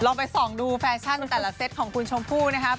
ไปส่องดูแฟชั่นแต่ละเซตของคุณชมพู่นะครับ